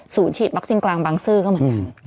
ฉีดวัคซีนกลางบางซื่อก็เหมือนกัน